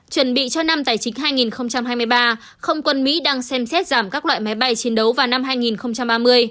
chuẩn bị cho năm tài chính hai nghìn hai mươi ba không quân mỹ đang xem xét giảm các loại máy bay chiến đấu vào năm hai nghìn ba mươi